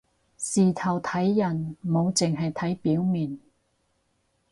事頭睇人唔好淨係睇表面